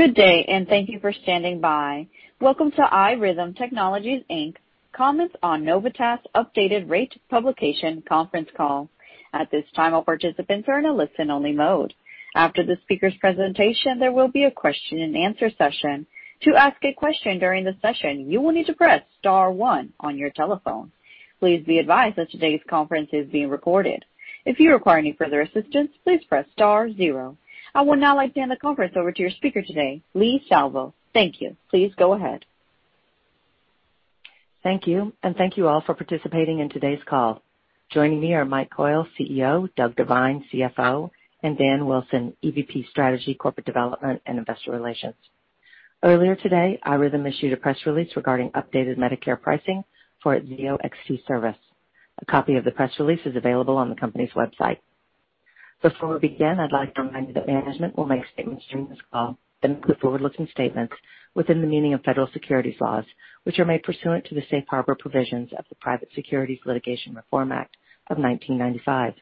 Good day, and thank you for standing by. Welcome to iRhythm Technologies Inc., Comments on Novitas Updated Rate Publication Conference Call. At this time, all participants are in a listen only mode. After the speaker's presentation, there will be a question and answer session. To ask a question during the session, you will need to press star one on your telephone. Please be advised that today's conference is being recorded. If you require any further assistance, please press star zero. I would now like to hand the conference over to your speaker today, Leigh Salvo. Thank you. Please go ahead. Thank you, and thank you all for participating in today's call. Joining me are Mike Coyle, CEO, Doug Devine, CFO, and Dan Wilson, EVP, Strategy, Corporate Development, and Investor Relations. Earlier today, iRhythm issued a press release regarding updated Medicare pricing for its Zio XT service. A copy of the press release is available on the company's website. Before we begin, I'd like to remind you that management will make statements during this call that include forward-looking statements within the meaning of Federal Securities laws, which are made pursuant to the safe harbor provisions of the Private Securities Litigation Reform Act of 1995.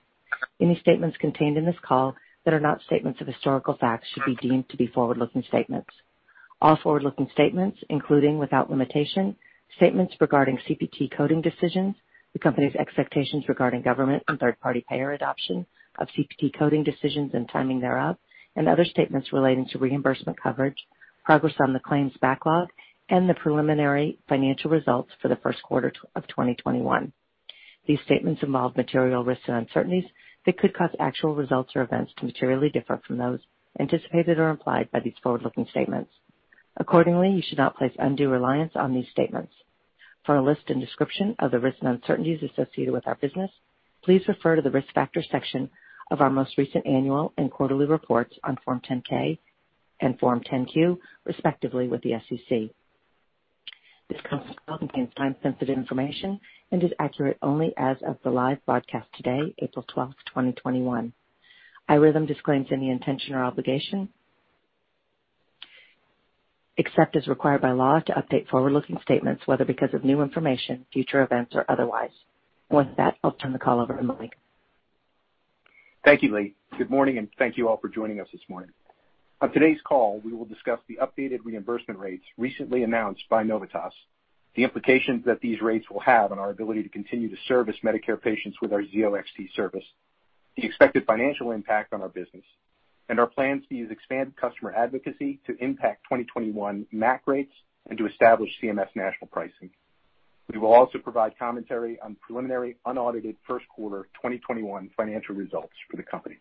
Any statements contained in this call that are not statements of historical facts should be deemed to be forward-looking statements. All forward-looking statements, including, without limitation, statements regarding CPT coding decisions, the company's expectations regarding government and third-party payer adoption of CPT coding decisions and timing thereof, and other statements relating to reimbursement coverage, progress on the claims backlog, and the preliminary financial results for the first quarter of 2021. These statements involve material risks and uncertainties that could cause actual results or events to materially differ from those anticipated or implied by these forward-looking statements. Accordingly, you should not place undue reliance on these statements. For a list and description of the risks and uncertainties associated with our business, please refer to the Risk Factors section of our most recent annual and quarterly reports on Form 10-K and Form 10-Q, respectively, with the SEC. This call contains time-sensitive information and is accurate only as of the live broadcast today, April 12th, 2021. iRhythm disclaims any intention or obligation, except as required by law, to update forward-looking statements, whether because of new information, future events, or otherwise. With that, I'll turn the call over to Mike. Thank you, Leigh. Good morning, and thank you all for joining us this morning. On today's call, we will discuss the updated reimbursement rates recently announced by Novitas, the implications that these rates will have on our ability to continue to service Medicare patients with our Zio XT service, the expected financial impact on our business, and our plans to use expanded customer advocacy to impact 2021 MAC rates and to establish CMS national pricing. We will also provide commentary on preliminary unaudited first quarter 2021 financial results for the company.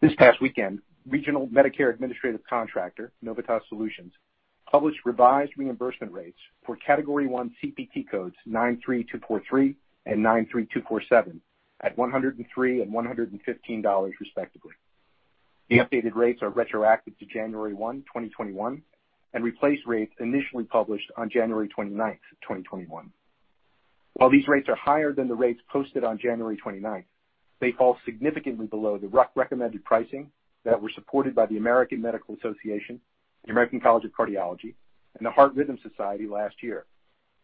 This past weekend, regional Medicare Administrative Contractor, Novitas Solutions, published revised reimbursement rates for Category 1 CPT codes 93243 and 93247 at $103 and $115 respectively. The updated rates are retroactive to January 1, 2021, and replace rates initially published on January 29th, 2021. While these rates are higher than the rates posted on January 29th, they fall significantly below the recommended pricing that was supported by the American Medical Association, the American College of Cardiology, and the Heart Rhythm Society last year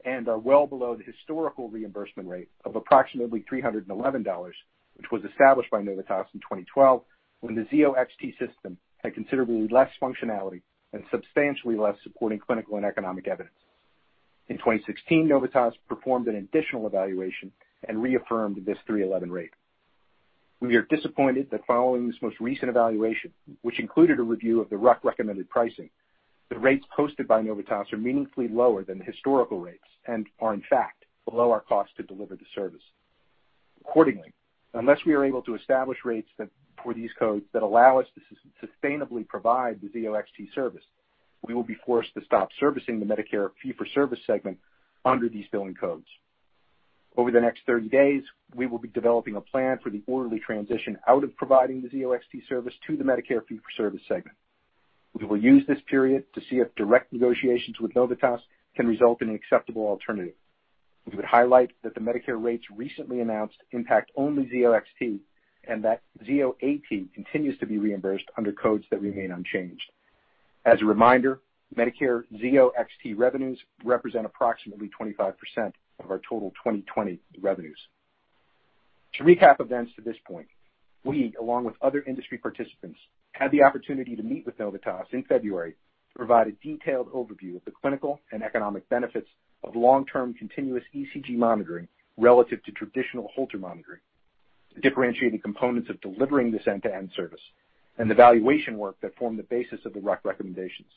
and are well below the historical reimbursement rate of approximately $311, which was established by Novitas in 2012 when the Zio XT system had considerably less functionality and substantially less supporting clinical and economic evidence. In 2016, Novitas performed an additional evaluation and reaffirmed this $311 rate. We are disappointed that following this most recent evaluation, which included a review of the recommended pricing, the rates posted by Novitas are meaningfully lower than the historical rates and are, in fact, below our cost to deliver the service. Accordingly, unless we are able to establish rates for these codes that allow us to sustainably provide the Zio XT service, we will be forced to stop servicing the Medicare fee-for-service segment under these billing codes. Over the next 30 days, we will be developing a plan for the orderly transition out of providing the Zio XT service to the Medicare fee-for-service segment. We will use this period to see if direct negotiations with Novitas can result in an acceptable alternative. We would highlight that the Medicare rates recently announced impact only Zio XT, and that Zio AT continues to be reimbursed under codes that remain unchanged. As a reminder, Medicare Zio XT revenues represent approximately 25% of our total 2020 revenues. To recap events to this point, we, along with other industry participants, had the opportunity to meet with Novitas in February to provide a detailed overview of the clinical and economic benefits of long-term continuous ECG monitoring relative to traditional Holter monitoring, the differentiating components of delivering this end-to-end service, and the valuation work that formed the basis of the recommendations.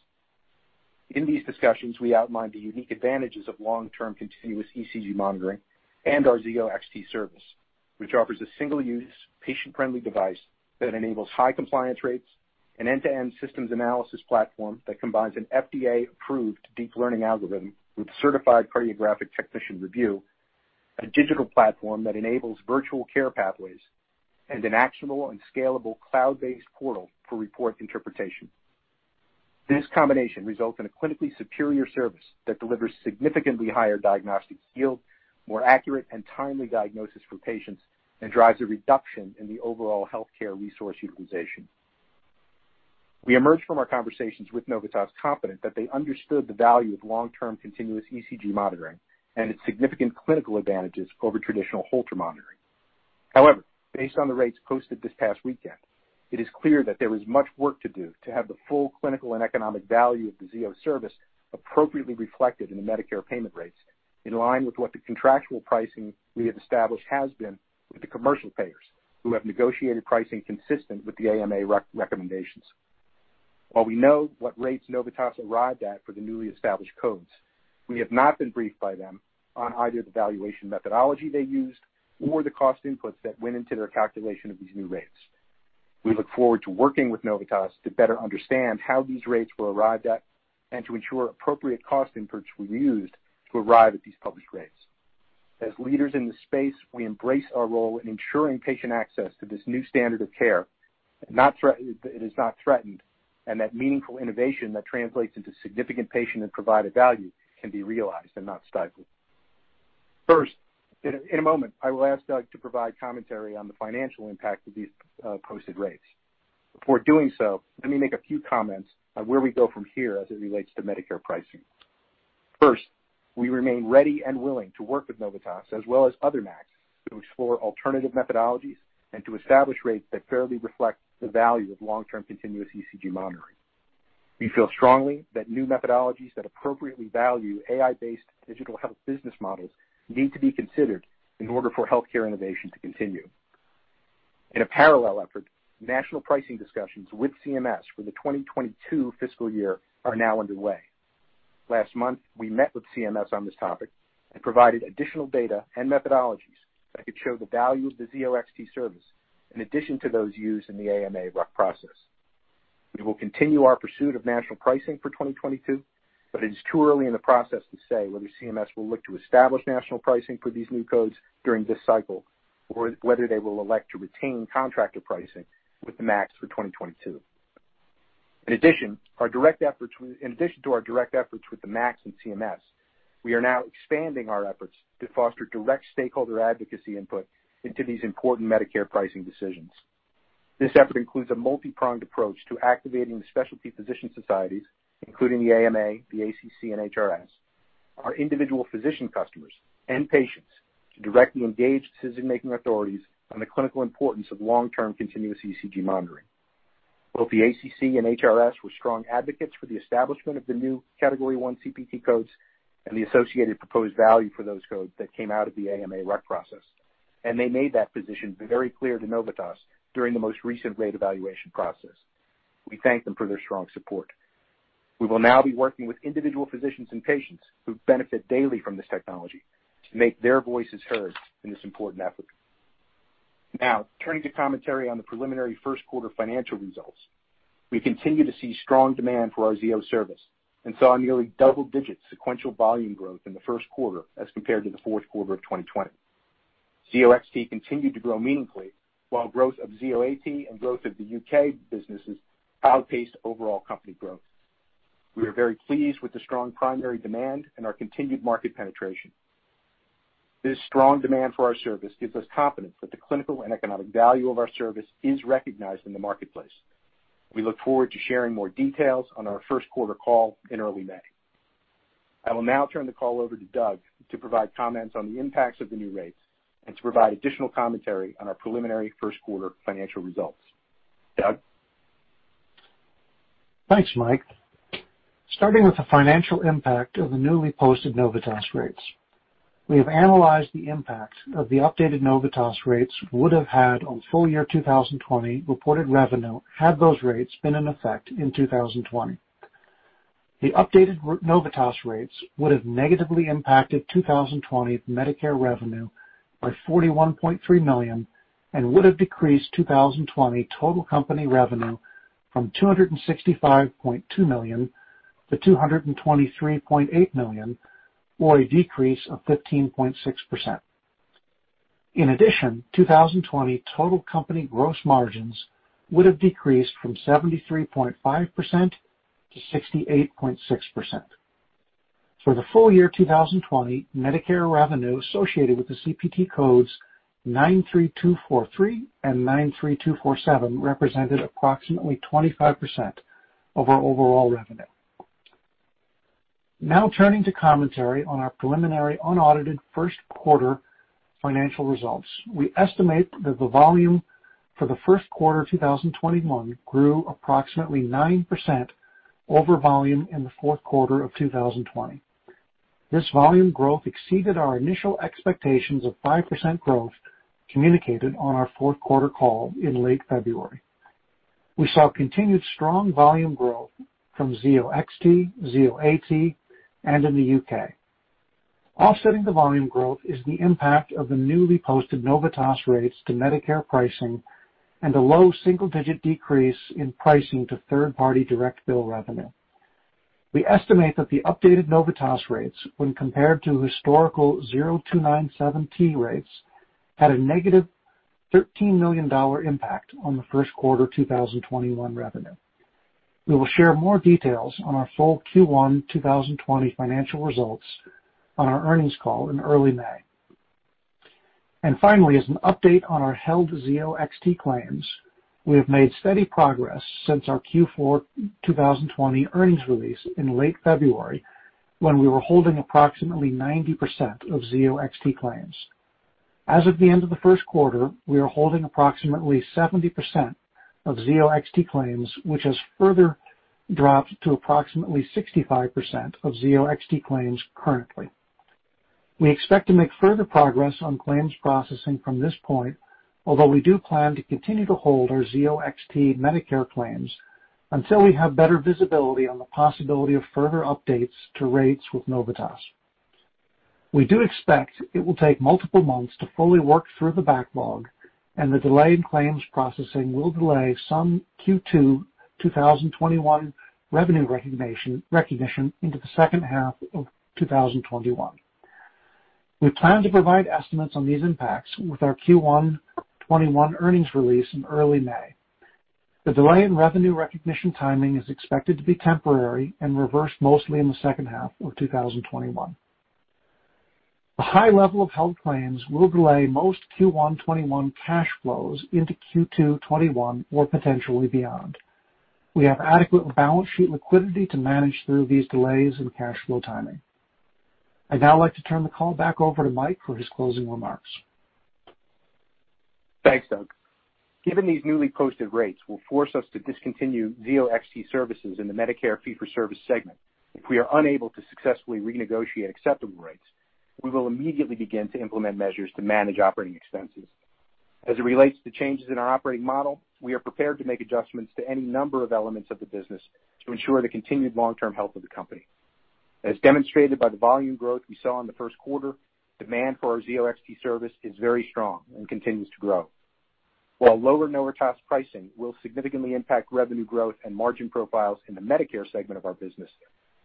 In these discussions, we outlined the unique advantages of long-term continuous ECG monitoring and our Zio XT service, which offers a single-use, patient-friendly device that enables high compliance rates, an end-to-end systems analysis platform that combines an FDA-approved deep learning algorithm with certified cardiographic technician review, a digital platform that enables virtual care pathways, and an actionable and scalable cloud-based portal for report interpretation. This combination results in a clinically superior service that delivers significantly higher diagnostic yield, more accurate and timely diagnosis for patients, and drives a reduction in the overall healthcare resource utilization. We emerged from our conversations with Novitas confident that they understood the value of long-term continuous ECG monitoring and its significant clinical advantages over traditional Holter monitoring. However, based on the rates posted this past weekend, it is clear that there is much work to do to have the full clinical and economic value of the Zio Service appropriately reflected in the Medicare payment rates, in line with what the contractual pricing we have established has been with the commercial payers who have negotiated pricing consistent with the AMA recommendations. While we know what rates Novitas arrived at for the newly established codes, we have not been briefed by them on either the valuation methodology they used or the cost inputs that went into their calculation of these new rates. We look forward to working with Novitas to better understand how these rates were arrived at and to ensure appropriate cost inputs were used to arrive at these published rates. As leaders in the space, we embrace our role in ensuring patient access to this new standard of care, it is not threatened, and that meaningful innovation that translates into significant patient and provider value can be realized and not stifled. First, in a moment, I will ask Doug to provide commentary on the financial impact of these posted rates. Before doing so, let me make a few comments on where we go from here as it relates to Medicare pricing. First, we remain ready and willing to work with Novitas as well as other MACs to explore alternative methodologies and to establish rates that fairly reflect the value of long-term continuous ECG monitoring. We feel strongly that new methodologies that appropriately value AI-based digital health business models need to be considered in order for healthcare innovation to continue. In a parallel effort, national pricing discussions with CMS for the 2022 fiscal year are now underway. Last month, we met with CMS on this topic and provided additional data and methodologies that could show the value of the Zio XT service, in addition to those used in the AMA RUC process. We will continue our pursuit of national pricing for 2022, but it is too early in the process to say whether CMS will look to establish national pricing for these new codes during this cycle, or whether they will elect to retain contracted pricing with the MACs for 2022. In addition to our direct efforts with the MACs and CMS, we are now expanding our efforts to foster direct stakeholder advocacy input into these important Medicare pricing decisions. This effort includes a multi-pronged approach to activating the specialty physician societies, including the AMA, the ACC, and HRS, our individual physician customers and patients to directly engage decision-making authorities on the clinical importance of long-term continuous ECG monitoring. Both the ACC and HRS were strong advocates for the establishment of the new Category 1 CPT codes and the associated proposed value for those codes that came out of the AMA RUC process, and they made that position very clear to Novitas during the most recent rate evaluation process. We thank them for their strong support. We will now be working with individual physicians and patients who benefit daily from this technology to make their voices heard in this important effort. Turning to commentary on the preliminary first quarter financial results. We continue to see strong demand for our Zio Service and saw nearly double-digit sequential volume growth in the first quarter as compared to the fourth quarter of 2020. Zio XT continued to grow meaningfully, while growth of Zio AT and growth of the U.K. businesses outpaced overall company growth. We are very pleased with the strong primary demand and our continued market penetration. This strong demand for our service gives us confidence that the clinical and economic value of our service is recognized in the marketplace. We look forward to sharing more details on our first quarter call in early May. I will now turn the call over to Doug to provide comments on the impacts of the new rates and to provide additional commentary on our preliminary first quarter financial results. Doug? Thanks, Mike. Starting with the financial impact of the newly posted Novitas rates. We have analyzed the impact the updated Novitas rates would have had on full year 2020 reported revenue had those rates been in effect in 2020. The updated Novitas rates would have negatively impacted 2020 Medicare revenue by $41.3 million and would have decreased 2020 total company revenue from $265.2 million to $223.8 million, or a decrease of 15.6%. In addition, 2020 total company gross margins would have decreased from 73.5% to 68.6%. For the full year 2020, Medicare revenue associated with the CPT codes 93243 and 93247 represented approximately 25% of our overall revenue. Now turning to commentary on our preliminary unaudited first quarter financial results. We estimate that the volume for Q1 2021 grew approximately 9% over volume in Q4 2020. This volume growth exceeded our initial expectations of 5% growth communicated on our fourth quarter call in late February. We saw continued strong volume growth from Zio XT, Zio AT, and in the U.K. Offsetting the volume growth is the impact of the newly posted Novitas rates to Medicare pricing and a low single-digit decrease in pricing to third-party direct bill revenue. We estimate that the updated Novitas rates, when compared to historical 0297T rates, had a -$13 million impact on first quarter 2021 revenue. We will share more details on our full Q1 2020 financial results on our earnings call in early May. Finally, as an update on our held Zio XT claims, we have made steady progress since our Q4 2020 earnings release in late February when we were holding approximately 90% of Zio XT claims. As of the end of the first quarter, we are holding approximately 70% of Zio XT claims, which has further dropped to approximately 65% of Zio XT claims currently. We expect to make further progress on claims processing from this point, although we do plan to continue to hold our Zio XT Medicare claims until we have better visibility on the possibility of further updates to rates with Novitas. We do expect it will take multiple months to fully work through the backlog, and the delay in claims processing will delay some Q2 2021 revenue recognition into the second half of 2021. We plan to provide estimates on these impacts with our Q1 2021 earnings release in early May. The delay in revenue recognition timing is expected to be temporary and reverse mostly in the second half of 2021. The high level of held claims will delay most Q1 2021 cash flows into Q2 2021 or potentially beyond. We have adequate balance sheet liquidity to manage through these delays in cash flow timing. I'd now like to turn the call back over to Mike for his closing remarks. Thanks, Doug. Given these newly posted rates will force us to discontinue Zio XT services in the Medicare fee-for-service segment. If we are unable to successfully renegotiate acceptable rates, we will immediately begin to implement measures to manage operating expenses. As it relates to changes in our operating model, we are prepared to make adjustments to any number of elements of the business to ensure the continued long-term health of the company. As demonstrated by the volume growth we saw in the first quarter, demand for our Zio XT service is very strong and continues to grow. While lower Novitas pricing will significantly impact revenue growth and margin profiles in the Medicare segment of our business,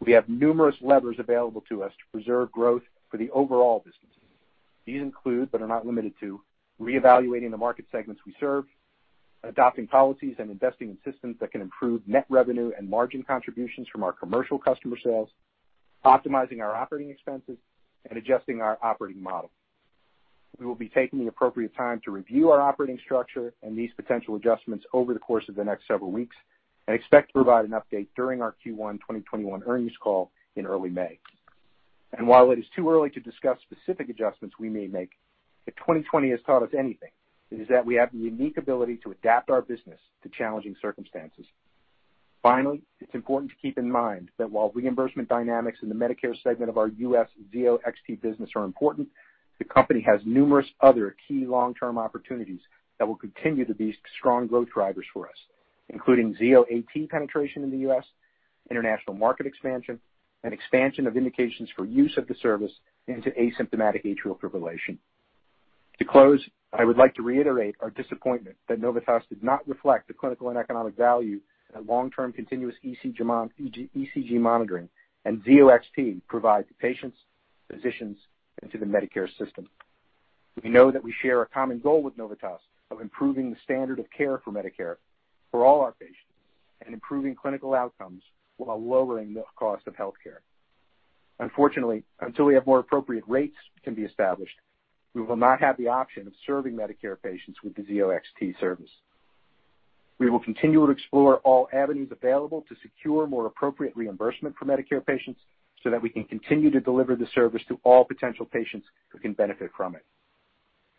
we have numerous levers available to us to preserve growth for the overall business. These include, but are not limited to, reevaluating the market segments we serve, adopting policies and investing in systems that can improve net revenue and margin contributions from our commercial customer sales, optimizing our operating expenses, and adjusting our operating model. We will be taking the appropriate time to review our operating structure and these potential adjustments over the course of the next several weeks and expect to provide an update during our Q1 2021 earnings call in early May. While it is too early to discuss specific adjustments we may make, if 2020 has taught us anything, it is that we have the unique ability to adapt our business to challenging circumstances. Finally, it's important to keep in mind that while reimbursement dynamics in the Medicare segment of our U.S. Zio XT business are important, the company has numerous other key long-term opportunities that will continue to be strong growth drivers for us, including Zio AT penetration in the U.S., international market expansion, and expansion of indications for use of the service into asymptomatic atrial fibrillation. To close, I would like to reiterate our disappointment that Novitas did not reflect the clinical and economic value that long-term continuous ECG monitoring and Zio XT provide to patients, physicians, and to the Medicare system. We know that we share a common goal with Novitas of improving the standard of care for Medicare for all our patients and improving clinical outcomes while lowering the cost of healthcare. Unfortunately, until we have more appropriate rates can be established, we will not have the option of serving Medicare patients with the Zio XT service. We will continue to explore all avenues available to secure more appropriate reimbursement for Medicare patients so that we can continue to deliver the service to all potential patients who can benefit from it.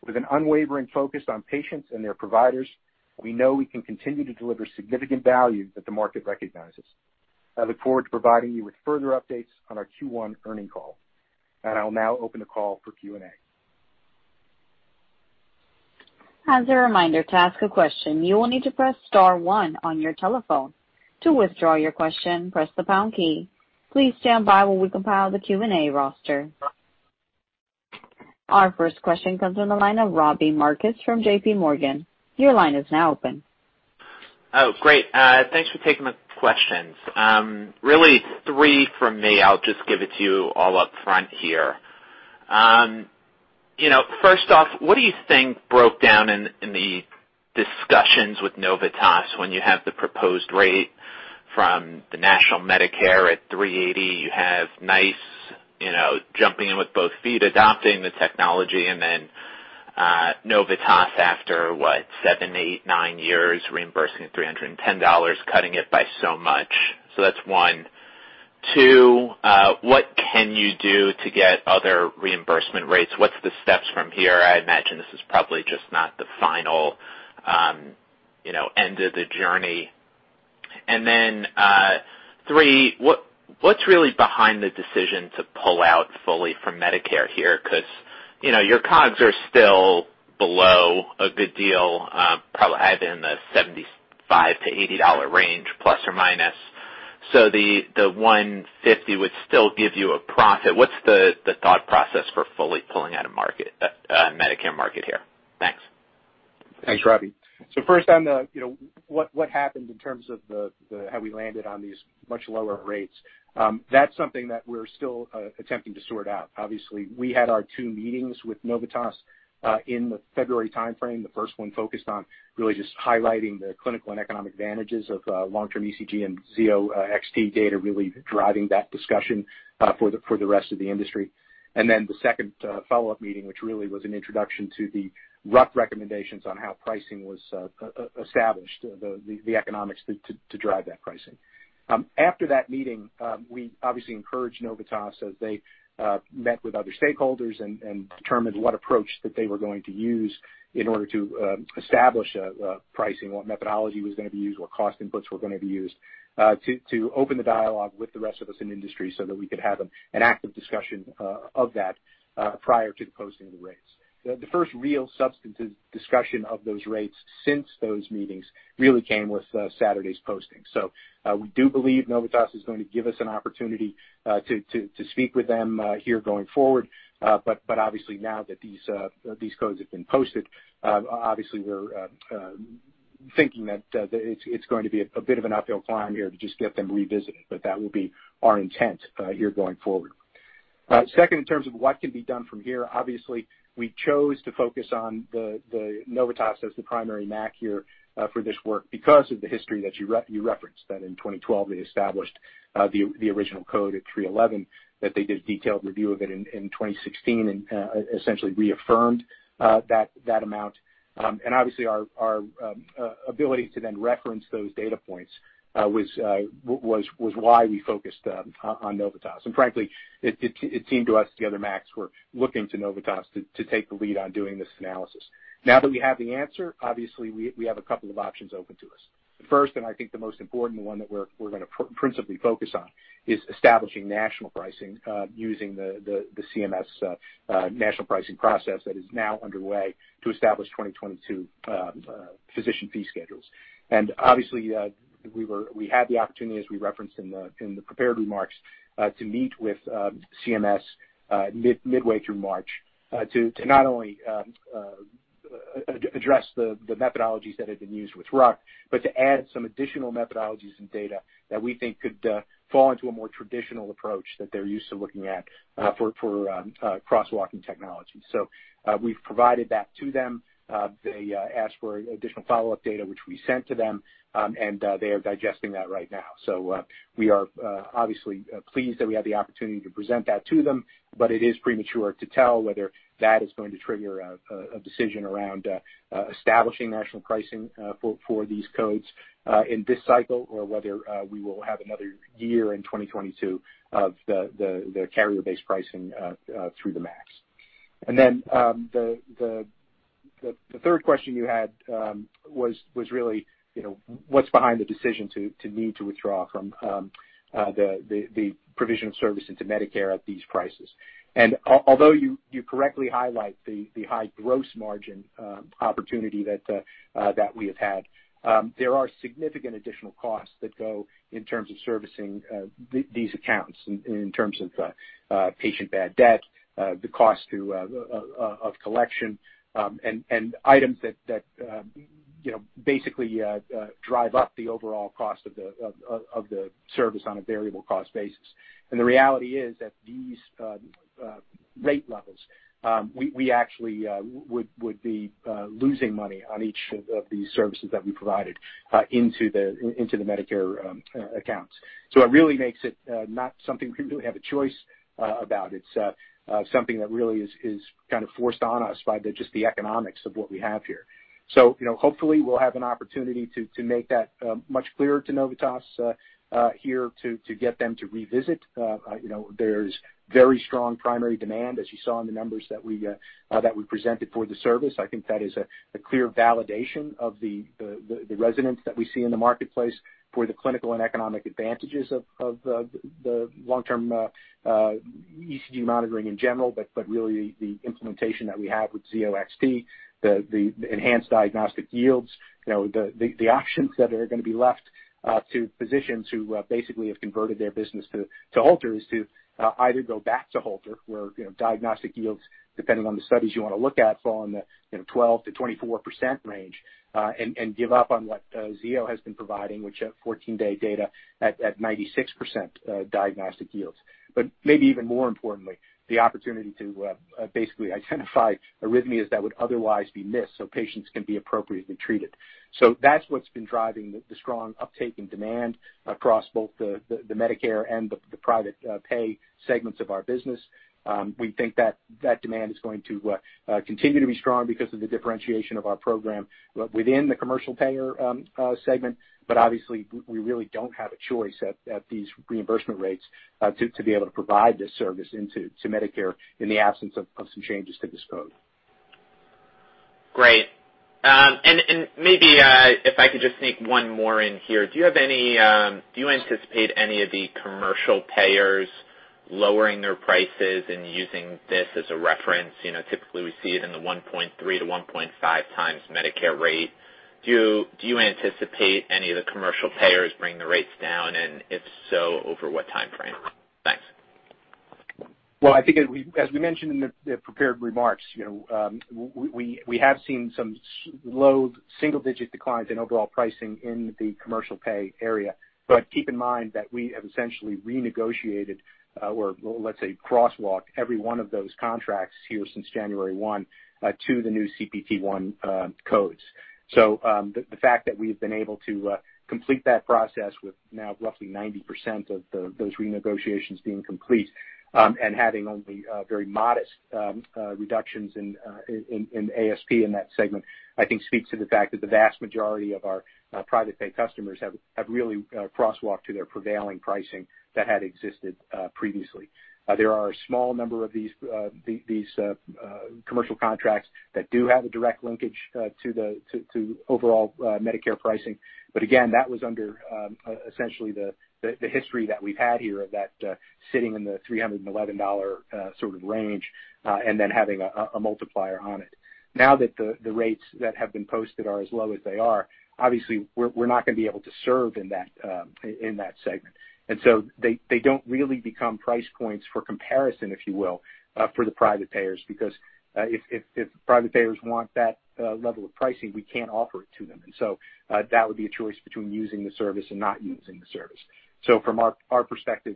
With an unwavering focus on patients and their providers, we know we can continue to deliver significant value that the market recognizes. I look forward to providing you with further updates on our Q1 earnings call. I will now open the call for Q&A. As a reminder, to ask a question, you will need to press star one on your telephone. To withdraw your question, press the pound key. Please stand by while we compile the Q&A roster. Our first question comes from the line of Robbie Marcus from JPMorgan. Your line is now open. Oh, great. Thanks for taking the questions. Really three from me. I'll just give it to you all up front here. First off, what do you think broke down in the discussions with Novitas when you have the proposed rate from the national Medicare at $380? You have NICE, jumping in with both feet, adopting the technology, then Novitas after, what, seven, eight, nine years reimbursing at $310, cutting it by so much. That's one. Two, what can you do to get other reimbursement rates? What's the steps from here? I imagine this is probably just not the final end of the journey. Then three, what's really behind the decision to pull out fully from Medicare here? Because your COGS are still below a good deal, probably in the $75-$80 range, plus or minus. The $150 would still give you a profit. What's the thought process for fully pulling out of Medicare market here? Thanks, Robbie. First on what happened in terms of how we landed on these much lower rates. That's something that we're still attempting to sort out. Obviously, we had our two meetings with Novitas in the February timeframe. The first one focused on really just highlighting the clinical and economic advantages of long-term ECG and Zio XT data, really driving that discussion for the rest of the industry. Then the second follow-up meeting, which really was an introduction to the rough recommendations on how pricing was established, the economics to drive that pricing. After that meeting, we obviously encouraged Novitas as they met with other stakeholders and determined what approach that they were going to use in order to establish pricing, what methodology was going to be used, what cost inputs were going to be used to open the dialogue with the rest of us in the industry so that we could have an active discussion of that prior to the posting of the rates. The first real substantive discussion of those rates since those meetings really came with Saturday's posting. We do believe Novitas is going to give us an opportunity to speak with them here going forward. Obviously now that these codes have been posted, obviously we're thinking that it's going to be a bit of an uphill climb here to just get them revisited. That will be our intent here going forward. Second, in terms of what can be done from here, obviously, we chose to focus on Novitas as the primary MAC here for this work because of the history that you referenced, that in 2012, they established the original code at 311, that they did a detailed review of it in 2016 and essentially reaffirmed that amount. Obviously our ability to then reference those data points was why we focused on Novitas. Frankly, it seemed to us the other MACs were looking to Novitas to take the lead on doing this analysis. Now that we have the answer, obviously we have a couple of options open to us. The first, and I think the most important one that we're going to principally focus on is establishing national pricing using the CMS national pricing process that is now underway to establish 2022 physician fee schedules. Obviously, we had the opportunity, as we referenced in the prepared remarks, to meet with CMS midway through March to not only address the methodologies that had been used with RUC, but to add some additional methodologies and data that we think could fall into a more traditional approach that they're used to looking at for crosswalking technology. We've provided that to them. They asked for additional follow-up data, which we sent to them, and they are digesting that right now. We are obviously pleased that we had the opportunity to present that to them. It is premature to tell whether that is going to trigger a decision around establishing national pricing for these codes in this cycle or whether we will have another year in 2022 of the carrier-based pricing through the MACs. Then the third question you had was really what's behind the decision to need to withdraw from the provision of service into Medicare at these prices. Although you correctly highlight the high gross margin opportunity that we have had, there are significant additional costs that go in terms of servicing these accounts in terms of patient bad debt, the cost of collection, and items that basically drive up the overall cost of the service on a variable cost basis. The reality is that these rate levels, we actually would be losing money on each of these services that we provided into the Medicare accounts. It really makes it not something we really have a choice about. It's something that really is kind of forced on us by just the economics of what we have here. Hopefully we'll have an opportunity to make that much clearer to Novitas here to get them to revisit. There's very strong primary demand, as you saw in the numbers that we presented for the service. I think that is a clear validation of the resonance that we see in the marketplace for the clinical and economic advantages of the long-term ECG monitoring in general, but really the implementation that we have with Zio XT, the enhanced diagnostic yields. The options that are going to be left to physicians who basically have converted their business to Holter is to either go back to Holter, where diagnostic yields, depending on the studies you want to look at, fall in the 12%-24% range and give up on what Zio has been providing, which at 14-day data at 96% diagnostic yields. Maybe even more importantly, the opportunity to basically identify arrhythmias that would otherwise be missed so patients can be appropriately treated. That's what's been driving the strong uptake in demand across both the Medicare and the private pay segments of our business. We think that demand is going to continue to be strong because of the differentiation of our program within the commercial payer segment. Obviously, we really don't have a choice at these reimbursement rates to be able to provide this service into Medicare in the absence of some changes to this code. Great. Maybe if I could just sneak one more in here. Do you anticipate any of the commercial payers lowering their prices and using this as a reference? Typically, we see it in the 1.3x–1.5x Medicare rate. Do you anticipate any of the commercial payers bringing the rates down? If so, over what timeframe? I think as we mentioned in the prepared remarks, we have seen some low single-digit declines in overall pricing in the commercial pay area. Keep in mind that we have essentially renegotiated or let's say, crosswalk, every one of those contracts here since January 1 to the new CPT-1 codes. The fact that we've been able to complete that process with now roughly 90% of those renegotiations being complete and having only very modest reductions in ASP in that segment, I think speaks to the fact that the vast majority of our private pay customers have really crosswalked to their prevailing pricing that had existed previously. There are a small number of these commercial contracts that do have a direct linkage to overall Medicare pricing. Again, that was under essentially the history that we've had here of that sitting in the $311 sort of range and then having a multiplier on it. Now that the rates that have been posted are as low as they are, obviously we're not going to be able to serve in that segment. They don't really become price points for comparison, if you will, for the private payers. If private payers want that level of pricing, we can't offer it to them. That would be a choice between using the service and not using the service. From our perspective,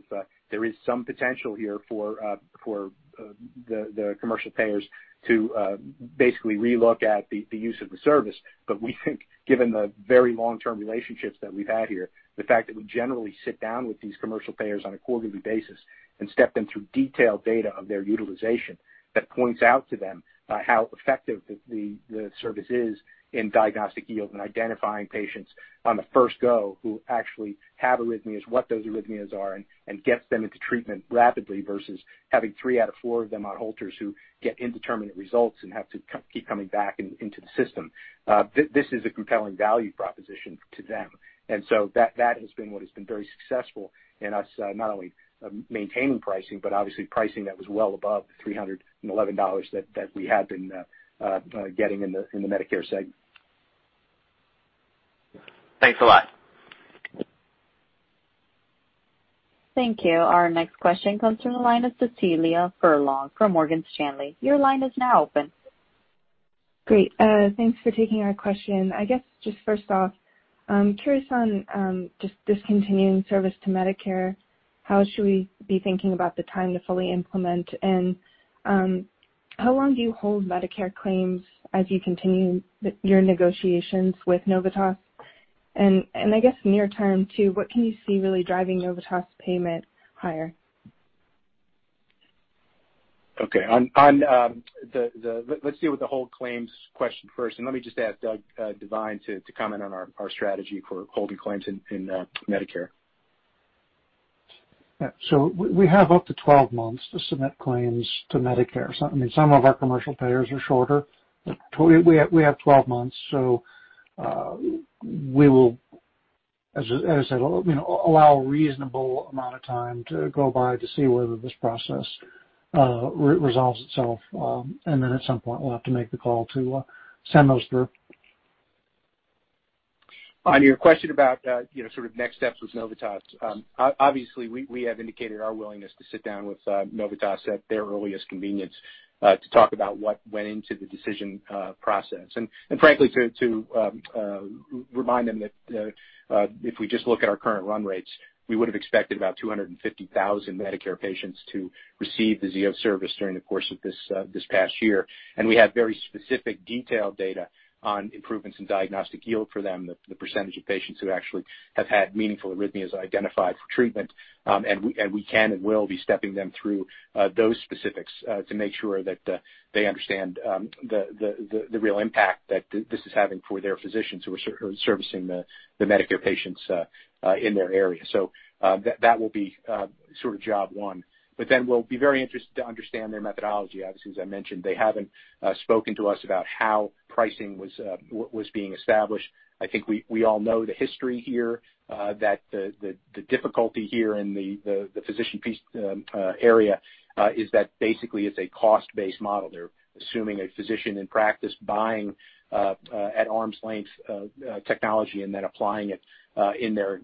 there is some potential here for the commercial payers to basically re-look at the use of the service. We think given the very long-term relationships that we've had here, the fact that we generally sit down with these commercial payers on a quarterly basis and step them through detailed data of their utilization, that points out to them how effective the service is in diagnostic yield and identifying patients on the first go who actually have arrhythmias, what those arrhythmias are, and gets them into treatment rapidly, versus having three out of four of them on Holters who get indeterminate results and have to keep coming back into the system. This is a compelling value proposition to them. That has been what has been very successful in us not only maintaining pricing, but obviously pricing that was well above the $311 that we had been getting in the Medicare segment. Thanks a lot. Thank you. Our next question comes from the line of Cecilia Furlong from Morgan Stanley. Great. Thanks for taking our question. I guess just first off, curious on just discontinuing service to Medicare, how should we be thinking about the time to fully implement? How long do you hold Medicare claims as you continue your negotiations with Novitas? I guess near term too, what can you see really driving Novitas payment higher? Okay. Let's deal with the whole claims question first, and let me just ask Doug Devine to comment on our strategy for holding claims in Medicare. Yeah. We have up to 12 months to submit claims to Medicare. Some of our commercial payers are shorter. We have 12 months. We will, as I said, allow a reasonable amount of time to go by to see whether this process resolves itself. At some point, we'll have to make the call to send those through. On your question about sort of next steps with Novitas. Obviously, we have indicated our willingness to sit down with Novitas at their earliest convenience to talk about what went into the decision process. Frankly, to remind them that if we just look at our current run rates, we would have expected about 250,000 Medicare patients to receive the Zio service during the course of this past year. We have very specific detailed data on improvements in diagnostic yield for them, the percentage of patients who actually have had meaningful arrhythmias identified for treatment. We can and will be stepping them through those specifics to make sure that they understand the real impact that this is having for their physicians who are servicing the Medicare patients in their area. That will be sort of job one. We'll be very interested to understand their methodology. Obviously, as I mentioned, they haven't spoken to us about how pricing was being established. I think we all know the history here, that the difficulty here in the [physician fee area] is that basically it's a cost-based model. They're assuming a physician in practice buying at arm's length technology and then applying it in their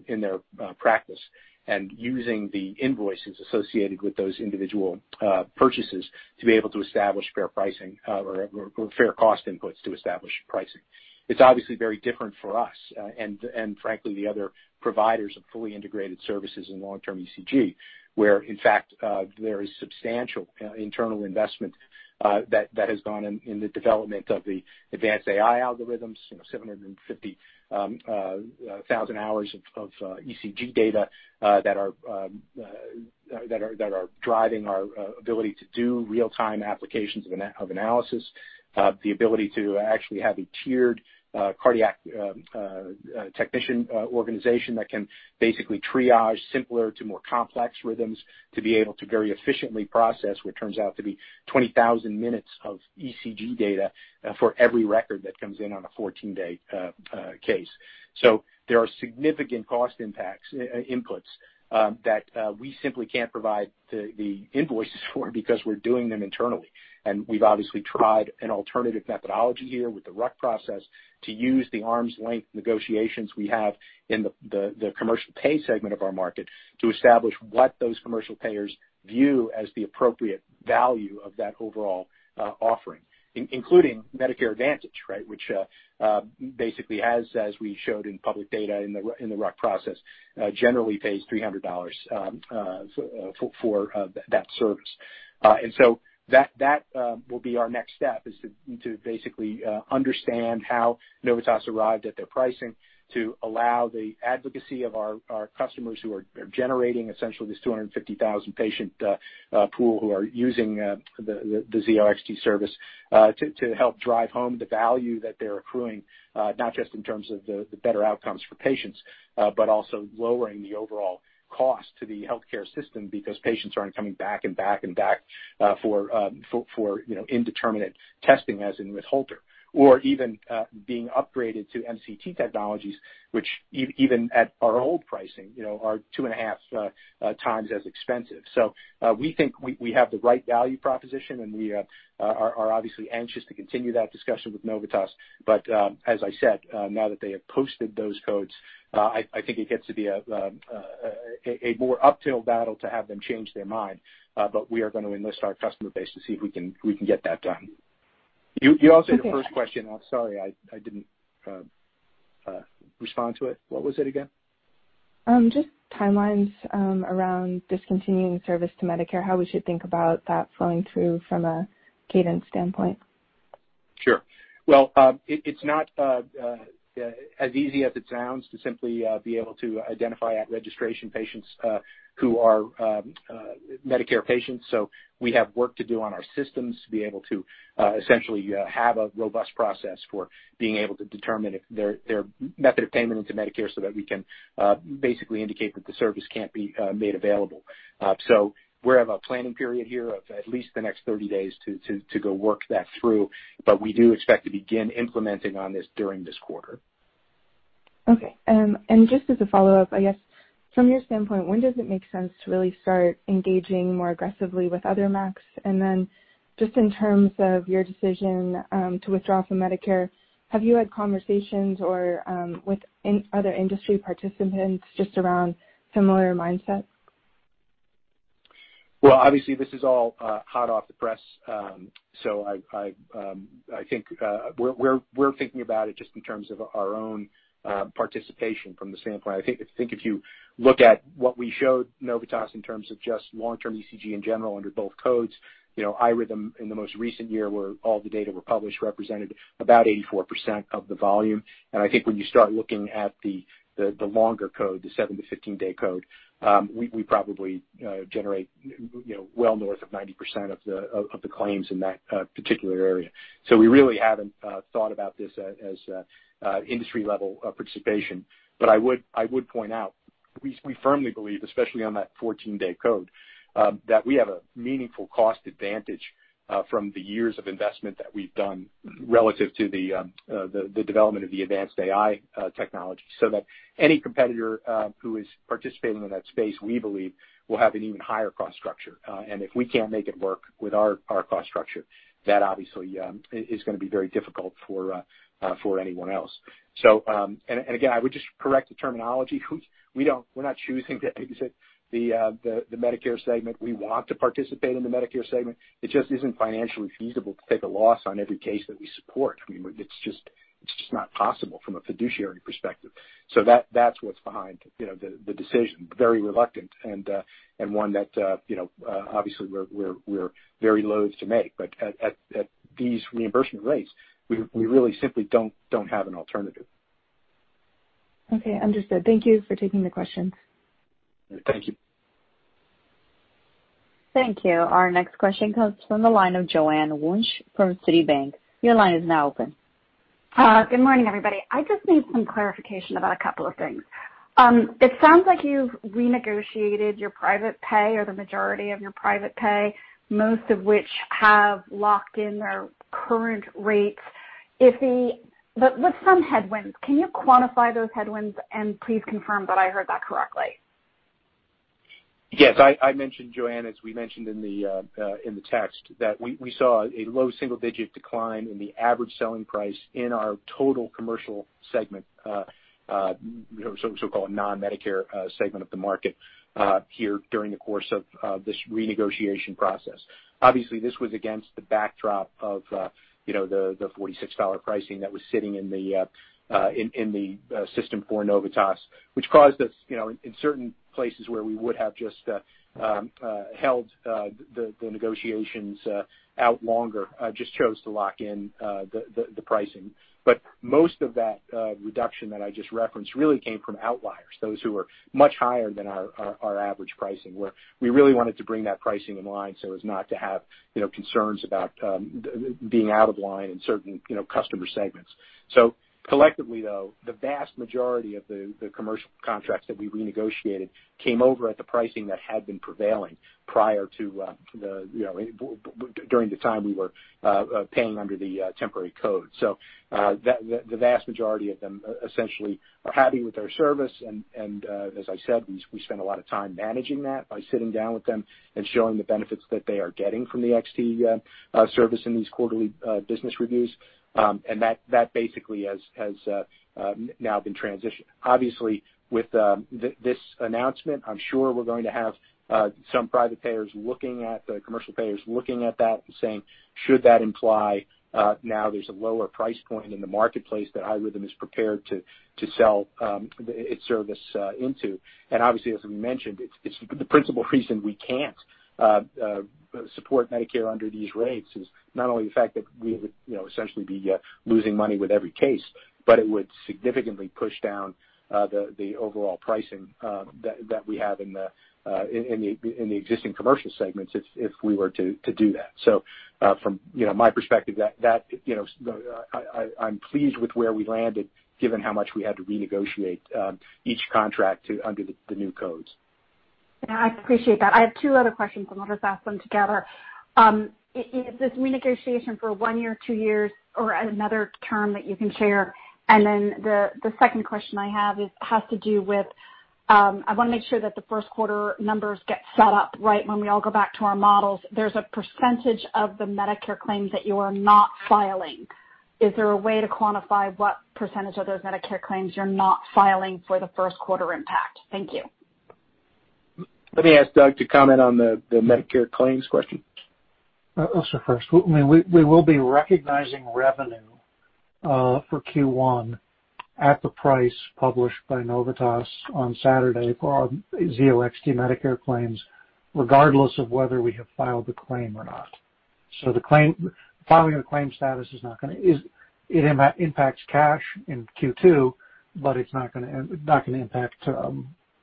practice and using the invoices associated with those individual purchases to be able to establish fair pricing or fair cost inputs to establish pricing. It's obviously very different for us and frankly, the other providers of fully integrated services in long-term ECG, where in fact there is substantial internal investment that has gone in the development of the advanced AI algorithms, 750,000 hours of ECG data that are driving our ability to do real-time applications of analysis, the ability to actually have a tiered cardiac technician organization that can basically triage simpler to more complex rhythms to be able to very efficiently process what turns out to be 20,000 minutes of ECG data for every record that comes in on a 14-day case. There are significant cost impacts inputs that we simply can't provide the invoices for because we're doing them internally. We've obviously tried an alternative methodology here with the RUC process to use the arm's-length negotiations we have in the commercial pay segment of our market to establish what those commercial payers view as the appropriate value of that overall offering, including Medicare Advantage, which basically as we showed in public data in the RUC process, generally pays $300 for that service. That will be our next step, is to basically understand how Novitas arrived at their pricing to allow the advocacy of our customers who are generating essentially this 250,000 patient pool who are using the Zio XT service to help drive home the value that they're accruing not just in terms of the better outcomes for patients, but also lowering the overall cost to the healthcare system because patients aren't coming back and back for indeterminate testing, as in with Holter. Even being upgraded to MCT technologies, which even at our old pricing, are two and a half times as expensive. We think we have the right value proposition, and we are obviously anxious to continue that discussion with Novitas. As I said, now that they have posted those codes, I think it gets to be a more uphill battle to have them change their mind. We are going to enlist our customer base to see if we can get that done. You asked in the first question, I'm sorry I didn't respond to it. What was it again? Just timelines around discontinuing service to Medicare, how we should think about that flowing through from a cadence standpoint. Sure. Well, it's not as easy as it sounds to simply be able to identify at registration patients who are Medicare patients. We have work to do on our systems to be able to essentially have a robust process for being able to determine if their method of payment into Medicare so that we can basically indicate that the service can't be made available. We have a planning period here of at least the next 30 days to go work that through. We do expect to begin implementing on this during this quarter. Okay. Just as a follow-up, I guess from your standpoint, when does it make sense to really start engaging more aggressively with other MACs? Just in terms of your decision to withdraw from Medicare, have you had conversations or with any other industry participants just around similar mindsets? Well, obviously, this is all hot off the press. I think we're thinking about it just in terms of our own participation from the standpoint. I think if you look at what we showed Novitas in terms of just long-term ECG in general under both codes, iRhythm in the most recent year where all the data were published represented about 84% of the volume. I think when you start looking at the longer code, the 7-15 day code, we probably generate well north of 90% of the claims in that particular area. We really haven't thought about this as industry level participation. I would point out, we firmly believe, especially on that 14-day code, that we have a meaningful cost advantage from the years of investment that we've done relative to the development of the advanced AI technology, so that any competitor who is participating in that space, we believe will have an even higher cost structure. If we can't make it work with our cost structure, that obviously is going to be very difficult for anyone else. Again, I would just correct the terminology. We're not choosing to exit the Medicare segment. We want to participate in the Medicare segment. It just isn't financially feasible to take a loss on every case that we support. It's just not possible from a fiduciary perspective. That's what's behind the decision. Very reluctant and one that obviously we're very loath to make. At these reimbursement rates, we really simply don't have an alternative. Okay, understood. Thank you for taking the question. Thank you. Thank you. Our next question comes from the line of Joanne Wuensch from Citibank. Your line is now open. Good morning, everybody. I just need some clarification about a couple of things. It sounds like you've renegotiated your private pay or the majority of your private pay, most of which have locked in their current rates with some headwinds. Can you quantify those headwinds and please confirm that I heard that correctly? Yes, I mentioned Joanne, as we mentioned in the text, that we saw a low single-digit decline in the average selling price in our total commercial segment, so-called non-Medicare segment of the market here during the course of this renegotiation process. Obviously, this was against the backdrop of the $46 pricing that was sitting in the system for Novitas, which caused us in certain places where we would have just held the negotiations out longer just chose to lock in the pricing. Most of that reduction that I just referenced really came from outliers, those who were much higher than our average pricing, where we really wanted to bring that pricing in line so as not to have concerns about being out of line in certain customer segments. Collectively, though, the vast majority of the commercial contracts that we renegotiated came over at the pricing that had been prevailing during the time we were paying under the temporary code. The vast majority of them essentially are happy with our service, and as I said, we spend a lot of time managing that by sitting down with them and showing the benefits that they are getting from the XT service in these quarterly business reviews. That basically has now been transitioned. Obviously, with this announcement, I'm sure we're going to have some private payers looking at the commercial payers looking at that and saying, should that imply now there's a lower price point in the marketplace that iRhythm is prepared to sell its service into? Obviously, as we mentioned, it's the principal reason we can't support Medicare under these rates is not only the fact that we would essentially be losing money with every case, but it would significantly push down the overall pricing that we have in the existing commercial segments if we were to do that. From my perspective, I'm pleased with where we landed given how much we had to renegotiate each contract under the new codes. I appreciate that. I have two other questions, and I'll just ask them together. Is this renegotiation for one year, two years, or another term that you can share? The second question I have has to do with, I want to make sure that the first quarter numbers get set up right when we all go back to our models. There's a percentage of the Medicare claims that you are not filing. Is there a way to quantify what percentage of those Medicare claims you're not filing for the first quarter impact? Thank you. Let me ask Doug to comment on the Medicare claims question. I'll start first. We will be recognizing revenue for Q1 at the price published by Novitas on Saturday for our Zio XT Medicare claims, regardless of whether we have filed the claim or not. The filing of claim status impacts cash in Q2, but it's not going to impact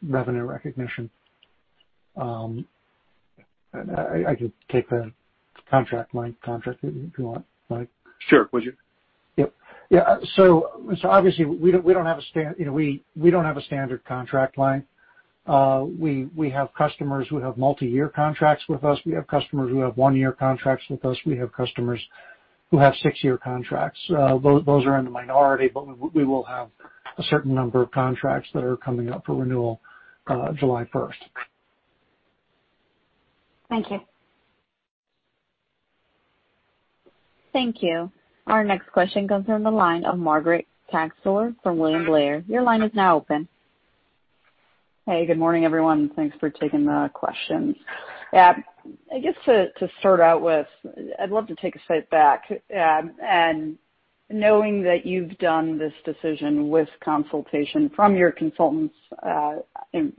revenue recognition. I could take the contract line if you want, Mike. Sure. Would you? Yep. Obviously we don't have a standard contract line. We have customers who have multi-year contracts with us. We have customers who have one-year contracts with us. We have customers who have six-year contracts. Those are in the minority, but we will have a certain number of contracts that are coming up for renewal July 1st. Thank you. Thank you. Our next question comes from the line of Margaret Kaczor from William Blair. Your line is now open. Hey, good morning, everyone. Thanks for taking the questions. I guess to start out with, I'd love to take a step back. Knowing that you've done this decision with consultation from your consultants,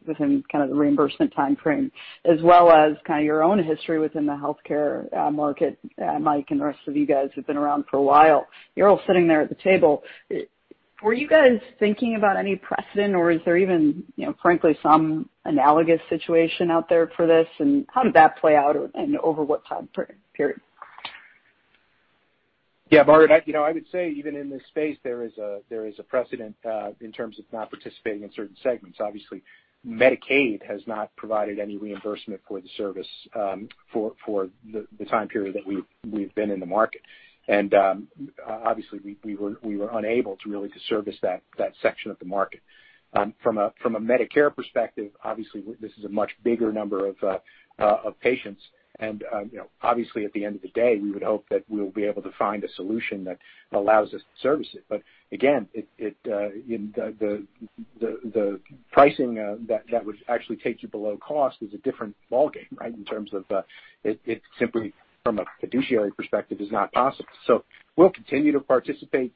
within kind of the reimbursement timeframe, as well as your own history within the healthcare market, Mike and the rest of you guys who've been around for a while, you're all sitting there at the table. Were you guys thinking about any precedent, or is there even frankly some analogous situation out there for this, and how did that play out, and over what time period? Yeah, Margaret, I would say even in this space, there is a precedent in terms of not participating in certain segments. Obviously, Medicaid has not provided any reimbursement for the service for the time period that we've been in the market. Obviously, we were unable to really service that section of the market. From a Medicare perspective, obviously, this is a much bigger number of patients and obviously at the end of the day, we would hope that we'll be able to find a solution that allows us to service it. Again, the pricing that would actually take you below cost is a different ballgame, right? It simply from a fiduciary perspective is not possible. We'll continue to participate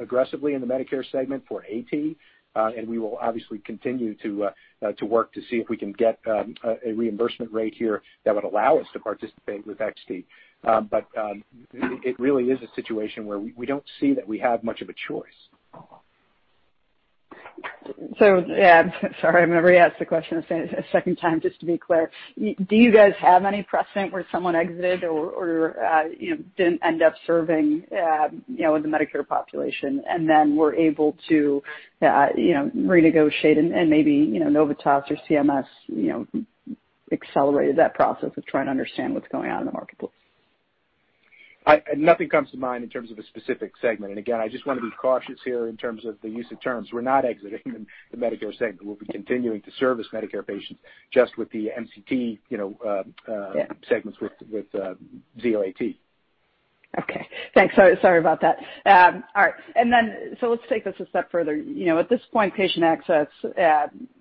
aggressively in the Medicare segment for AT, and we will obviously continue to work to see if we can get a reimbursement rate here that would allow us to participate with XT. It really is a situation where we don't see that we have much of a choice. Sorry, I'm going to re-ask the question a second time just to be clear. Do you guys have any precedent where someone exited or didn't end up serving with the Medicare population and then were able to renegotiate and maybe Novitas or CMS accelerated that process of trying to understand what's going on in the marketplace? Nothing comes to mind in terms of a specific segment. Again, I just want to be cautious here in terms of the use of terms. We're not exiting the Medicare segment. We'll be continuing to service Medicare patients just with the MCT segments with Zio AT. Okay, thanks. Sorry about that. All right. Let's take this a step further. At this point, patient access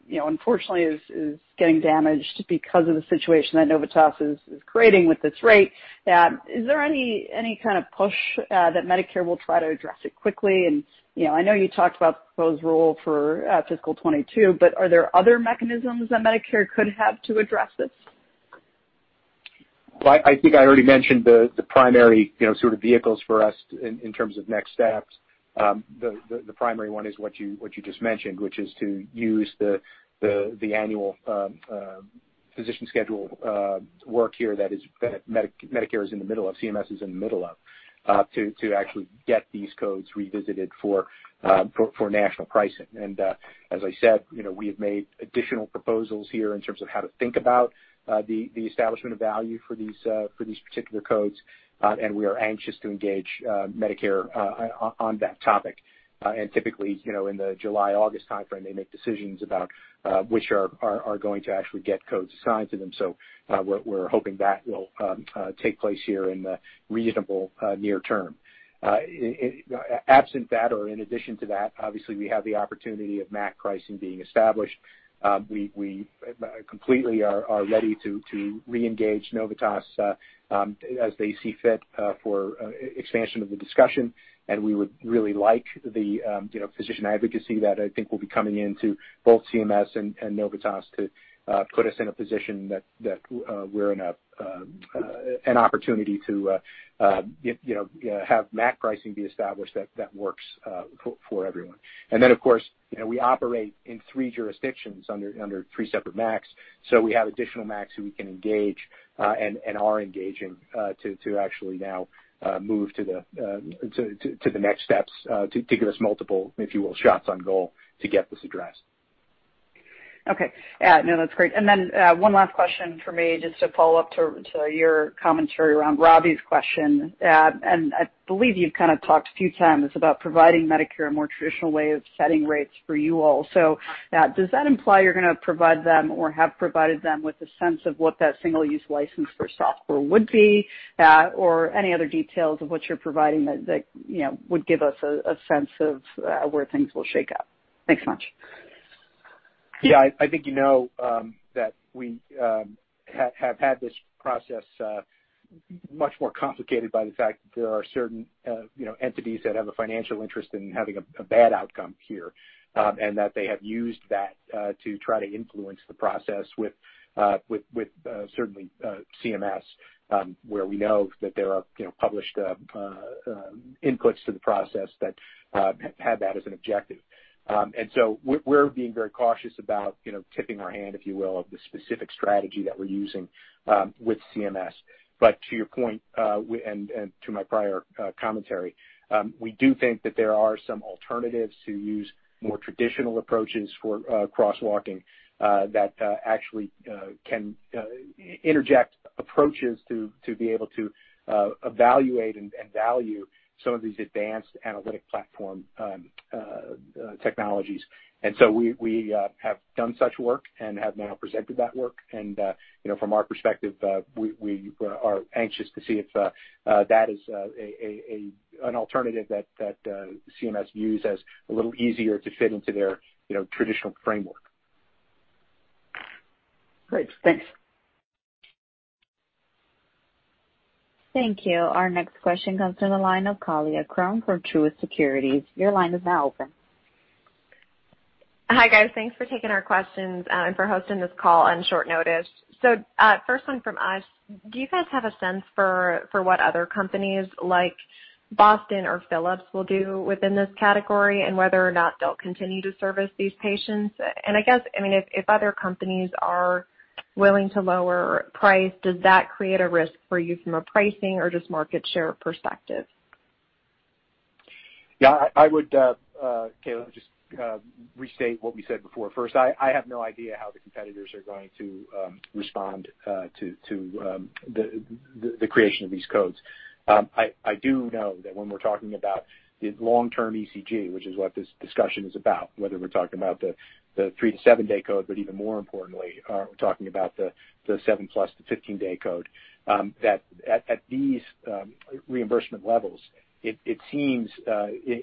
unfortunately is getting damaged because of the situation that Novitas is creating with this rate. Is there any kind of push that Medicare will try to address it quickly? I know you talked about the proposed rule for fiscal 2022, but are there other mechanisms that Medicare could have to address this? Well, I think I already mentioned the primary sort of vehicles for us in terms of next steps. The primary one is what you just mentioned, which is to use the annual physician schedule work here that Medicare is in the middle of, CMS is in the middle of, to actually get these codes revisited for national pricing. As I said, we have made additional proposals here in terms of how to think about the establishment of value for these particular codes, and we are anxious to engage Medicare on that topic. Typically, in the July-August timeframe, they make decisions about which are going to actually get codes assigned to them. We're hoping that will take place here in the reasonable near term. Absent that or in addition to that, obviously we have the opportunity of MAC pricing being established. We completely are ready to reengage Novitas, as they see fit, for expansion of the discussion. We would really like the physician advocacy that I think will be coming in to both CMS and Novitas to put us in a position that we're in an opportunity to have MAC pricing be established that works for everyone. Of course, we operate in three jurisdictions under three separate MACs. We have additional MACs who we can engage, and are engaging, to actually now move to the next steps, to give us multiple, if you will, shots on goal to get this addressed. Okay. No, that's great. One last question from me, just to follow up to your commentary around Robbie's question. I believe you've kind of talked a few times about providing Medicare a more traditional way of setting rates for you all. Does that imply you're going to provide them or have provided them with a sense of what that single-use license for software would be? Any other details of what you're providing that would give us a sense of where things will shake out? Thanks so much. Yeah, I think you know that we have had this process much more complicated by the fact that there are certain entities that have a financial interest in having a bad outcome here, and that they have used that to try to influence the process with certainly CMS, where we know that there are published inputs to the process that have that as an objective. We're being very cautious about tipping our hand, if you will, of the specific strategy that we're using with CMS. To your point, and to my prior commentary, we do think that there are some alternatives to use more traditional approaches for crosswalking that actually can interject approaches to be able to evaluate and value some of these advanced analytic platform technologies. We have done such work and have now presented that work and from our perspective, we are anxious to see if that is an alternative that CMS views as a little easier to fit into their traditional framework. Great. Thanks. Thank you. Our next question comes from the line of Kaila Krum from Truist Securities. Your line is now open. Hi, guys. Thanks for taking our questions and for hosting this call on short notice. First one from us, do you guys have a sense for what other companies like Boston or Philips will do within this category, and whether or not they'll continue to service these patients? I guess, if other companies are willing to lower price, does that create a risk for you from a pricing or just market share perspective? Yeah, I would, Kaila, just restate what we said before. First, I have no idea how the competitors are going to respond to the creation of these codes. I do know that when we're talking about the long-term ECG, which is what this discussion is about, whether we're talking about the 3-7 day code, but even more importantly, we're talking about the 7+ to 15-day code, that at these reimbursement levels, it seems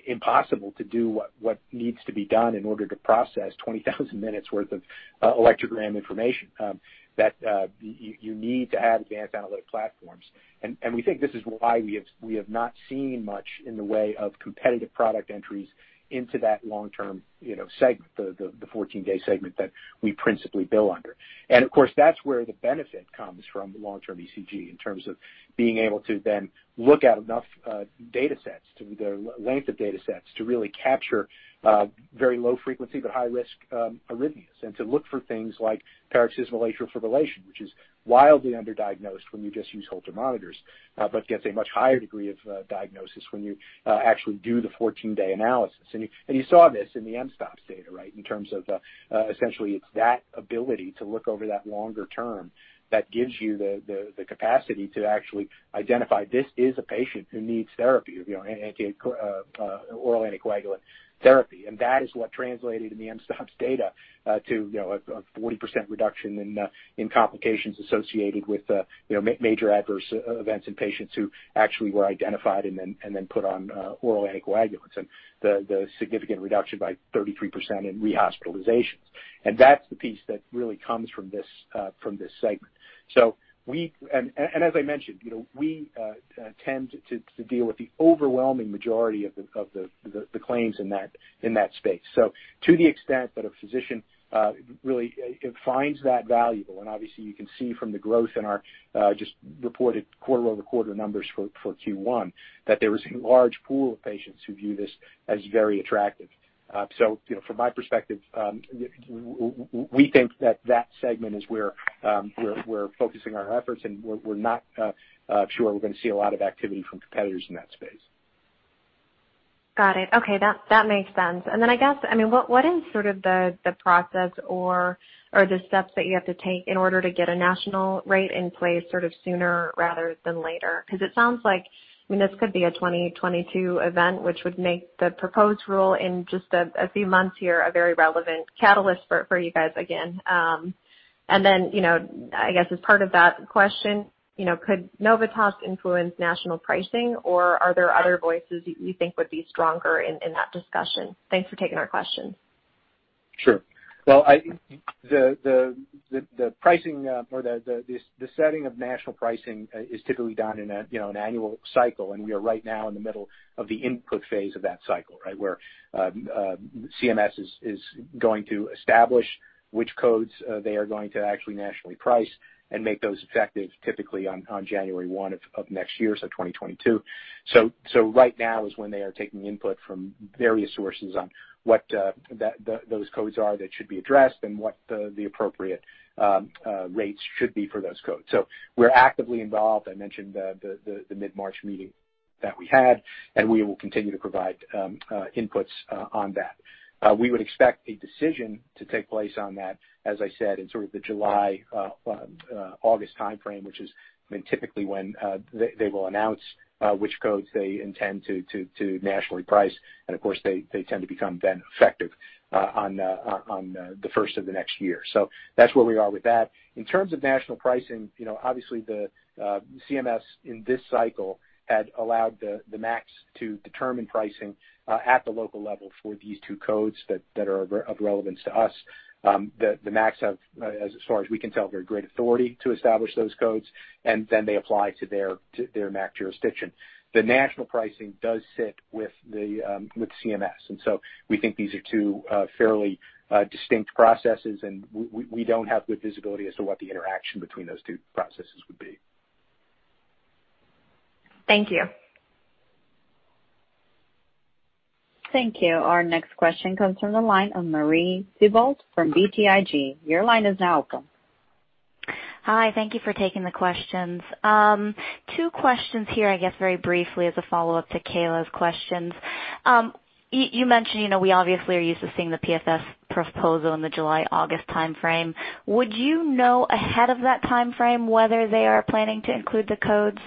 impossible to do what needs to be done in order to process 20,000 minutes worth of electrogram information. You need to have advanced analytic platforms. We think this is why we have not seen much in the way of competitive product entries into that long-term segment, the 14-day segment that we principally bill under. Of course, that's where the benefit comes from long-term ECG in terms of being able to then look at enough data sets to the length of data sets to really capture very low frequency but high risk arrhythmias and to look for things like paroxysmal atrial fibrillation, which is wildly underdiagnosed when you just use Holter monitors, but gets a much higher degree of diagnosis when you actually do the 14-day analysis. You saw this in the mSToPS data, right? In terms of essentially it's that ability to look over that longer term that gives you the capacity to actually identify this is a patient who needs therapy, oral anticoagulant therapy. That is what translated in the mSToPS data to a 40% reduction in complications associated with major adverse events in patients who actually were identified and then put on oral anticoagulants, and the significant reduction by 33% in rehospitalizations. That's the piece that really comes from this segment. As I mentioned, we tend to deal with the overwhelming majority of the claims in that space. To the extent that a physician really finds that valuable, and obviously you can see from the growth in our just reported quarter-over-quarter numbers for Q1 that there is a large pool of patients who view this as very attractive. From my perspective, we think that segment is where we're focusing our efforts and we're not sure we're going to see a lot of activity from competitors in that space. Got it. Okay. That makes sense. Then I guess, what is sort of the process or the steps that you have to take in order to get a national rate in place sort of sooner rather than later? Because it sounds like this could be a 2022 event, which would make the proposed rule in just a few months here a very relevant catalyst for you guys again. Then, I guess as part of that question, could Novitas influence national pricing or are there other voices you think would be stronger in that discussion? Thanks for taking our question. Sure. Well, I think the pricing or the setting of national pricing is typically done in an annual cycle and we are right now in the middle of the input phase of that cycle, right? Where CMS is going to establish which codes they are going to actually nationally price and make those effective typically on January 1 of next year, so 2022. Right now is when they are taking input from various sources on what those codes are that should be addressed and what the appropriate rates should be for those codes. We're actively involved. I mentioned the mid-March meeting that we had, and we will continue to provide inputs on that. We would expect a decision to take place on that, as I said, in sort of the July, August timeframe, which is typically when they will announce which codes they intend to nationally price and of course they tend to become then effective on the first of the next year. That's where we are with that. In terms of national pricing, obviously the CMS in this cycle had allowed the MACs to determine pricing at the local level for these two codes that are of relevance to us. The MACs have, as far as we can tell, very great authority to establish those codes, and then they apply to their MAC jurisdiction. The national pricing does sit with CMS. We think these are two fairly distinct processes, and we don't have good visibility as to what the interaction between those two processes would be. Thank you. Thank you. Our next question comes from the line of Marie Thibault from BTIG. Your line is now open. Hi. Thank you for taking the questions. Two questions here, I guess, very briefly as a follow-up to Kaila's questions. You mentioned we obviously are used to seeing the PFS proposal in the July, August timeframe. Would you know ahead of that timeframe whether they are planning to include the codes?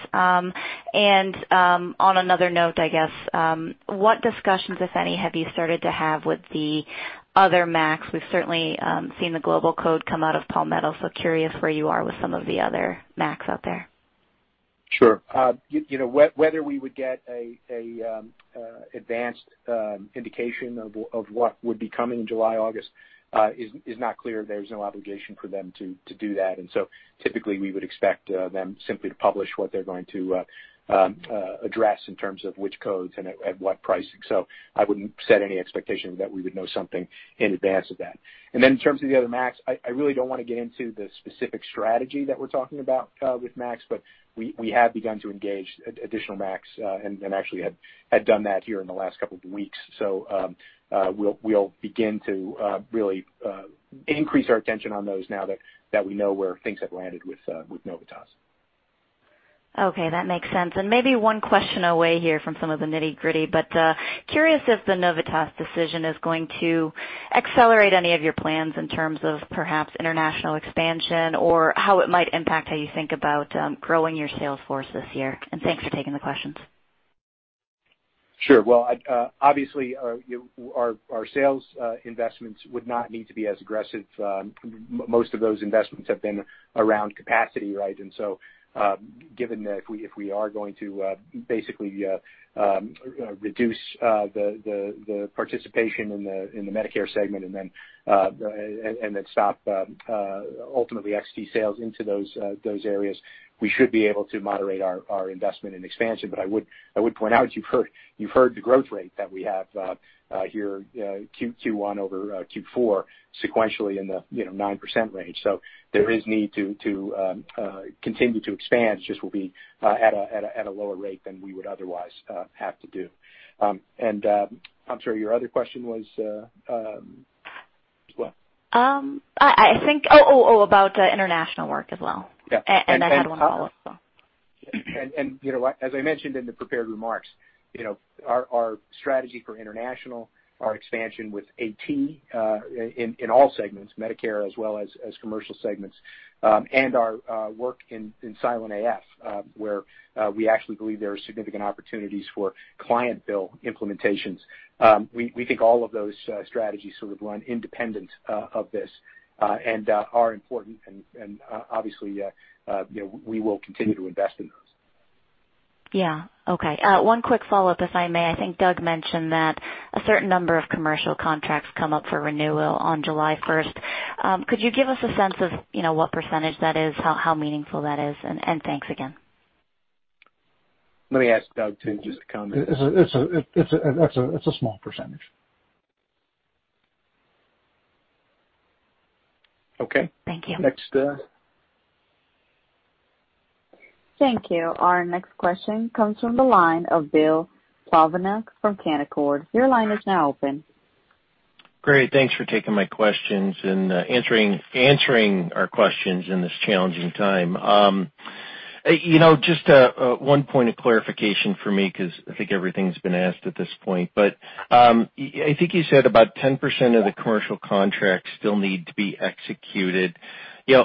On another note, I guess, what discussions, if any, have you started to have with the other MACs? We've certainly seen the global code come out of Palmetto, so curious where you are with some of the other MACs out there. Sure. Whether we would get an advanced indication of what would be coming in July, August, is not clear. There's no obligation for them to do that. Typically we would expect them simply to publish what they're going to address in terms of which codes and at what pricing. I wouldn't set any expectation that we would know something in advance of that. In terms of the other MACs, I really don't want to get into the specific strategy that we're talking about with MACs, but we have begun to engage additional MACs, and actually had done that here in the last couple of weeks. We'll begin to really increase our attention on those now that we know where things have landed with Novitas. Okay, that makes sense. Maybe one question away here from some of the nitty-gritty, but curious if the Novitas decision is going to accelerate any of your plans in terms of perhaps international expansion or how it might impact how you think about growing your sales force this year? Thanks for taking the questions. Sure. Well, obviously, our sales investments would not need to be as aggressive. Most of those investments have been around capacity, right? Given that if we are going to basically reduce the participation in the Medicare segment and then stop ultimately XT sales into those areas, we should be able to moderate our investment and expansion. I would point out, you've heard the growth rate that we have here, Q1-over-Q4 sequentially in the 9% range. There is need to continue to expand. It just will be at a lower rate than we would otherwise have to do. I'm sorry, your other question was, what? Oh, about international work as well. Yeah. I had one follow-up as well. As I mentioned in the prepared remarks, our strategy for international, our expansion with Zio AT in all segments, Medicare as well as commercial segments, and our work in silent AF, where we actually believe there are significant opportunities for client bill implementations. We think all of those strategies sort of run independent of this, and are important and obviously we will continue to invest in. Yeah. Okay. One quick follow-up, if I may. I think Doug mentioned that a certain number of commercial contracts come up for renewal on July 1st. Could you give us a sense of what percentage that is, how meaningful that is? Thanks again. Let me ask Doug to just comment. It's a small percentage. Okay. Thank you. Next. Thank you. Our next question comes from the line of Bill Plovanic from Canaccord. Your line is now open. Great. Thanks for taking my questions and answering our questions in this challenging time. Just one point of clarification for me, because I think everything's been asked at this point, but, I think you said about 10% of the commercial contracts still need to be executed.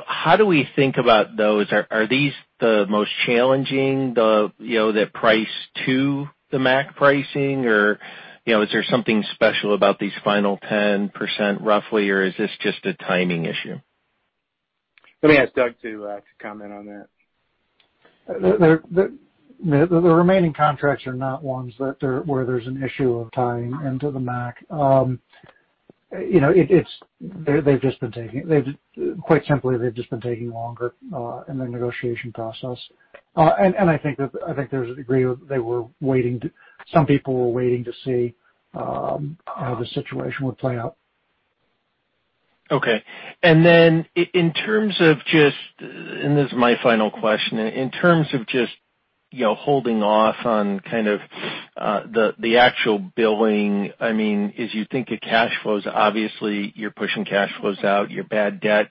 How do we think about those? Are these the most challenging, the price to the MAC pricing? Or is there something special about these final 10% roughly, or is this just a timing issue? Let me ask Doug to comment on that. The remaining contracts are not ones where there's an issue of tying into the MAC. Quite simply, they've just been taking longer in the negotiation process. I think there's a degree of some people were waiting to see how the situation would play out. Okay. Then in terms of just, and this is my final question, in terms of just holding off on kind of the actual billing, as you think of cash flows, obviously you're pushing cash flows out, your bad debt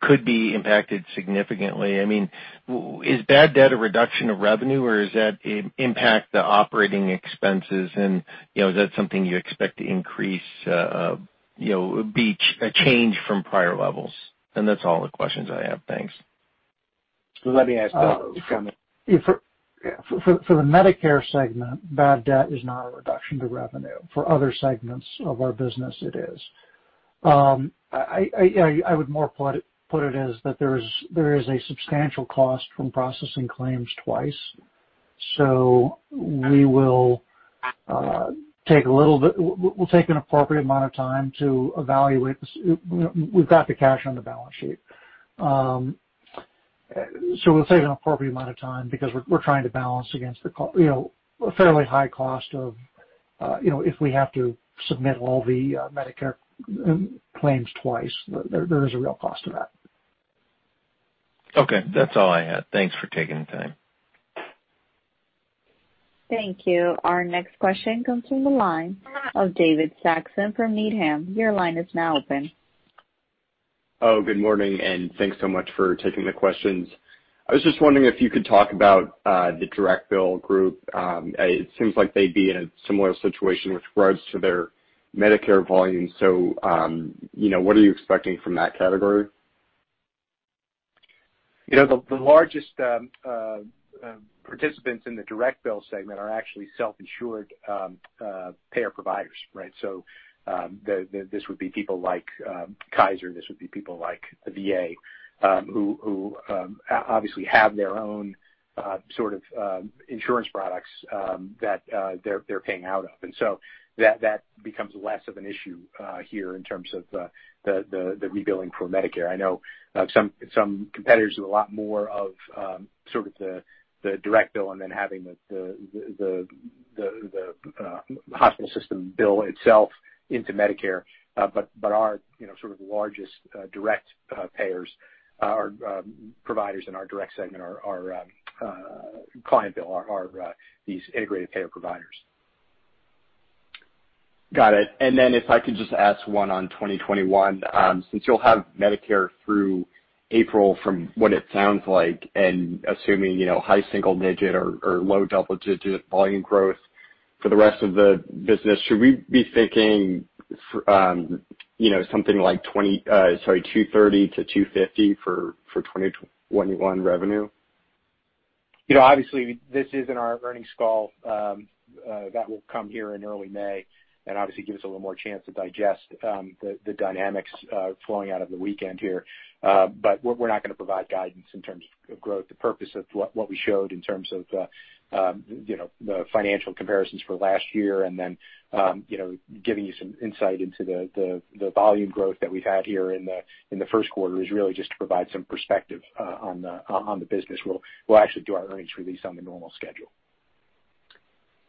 could be impacted significantly. Is bad debt a reduction of revenue, or is that impact the operating expenses and is that something you expect to increase, be a change from prior levels? That's all the questions I have. Thanks. Let me ask Doug to comment. For the Medicare segment, bad debt is not a reduction to revenue. For other segments of our business, it is. I would more put it as that there is a substantial cost from processing claims twice. We'll take an appropriate amount of time to evaluate this. We've got the cash on the balance sheet. We'll take an appropriate amount of time because we're trying to balance against a fairly high cost of if we have to submit all the Medicare claims twice, there is a real cost to that. Okay. That's all I had. Thanks for taking the time. Thank you. Our next question comes from the line of David Saxon from Needham. Good morning, thanks so much for taking the questions. I was just wondering if you could talk about the direct bill group. It seems like they'd be in a similar situation with regards to their Medicare volume. What are you expecting from that category? The largest participants in the direct bill segment are actually self-insured payer providers, right? This would be people like Kaiser. This would be people like the VA, who obviously have their own sort of insurance products that they're paying out of. That becomes less of an issue here in terms of the rebilling for Medicare. I know some competitors do a lot more of sort of the direct bill and then having the hospital system bill itself into Medicare. Our sort of largest direct payers or providers in our direct segment, our client bill, are these integrated payer providers. Got it. If I could just ask one on 2021. Since you'll have Medicare through April from what it sounds like, and assuming high single-digit or low double-digit volume growth for the rest of the business, should we be thinking something like $230 million-$250 million for 2021 revenue? Obviously, this isn't our earnings call. That will come here in early May and obviously give us a little more chance to digest the dynamics flowing out of the weekend here. We're not going to provide guidance in terms of growth. The purpose of what we showed in terms of the financial comparisons for last year and then giving you some insight into the volume growth that we've had here in the first quarter is really just to provide some perspective on the business. We'll actually do our earnings release on the normal schedule.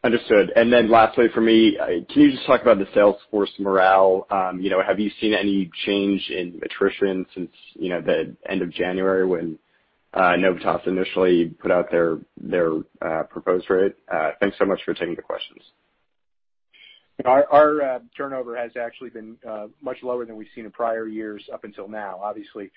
Understood. Lastly from me, can you just talk about the sales force morale? Have you seen any change in attrition since the end of January when Novitas initially put out their proposed rate? Thanks so much for taking the questions. Our turnover has actually been much lower than we've seen in prior years up until now. Obviously,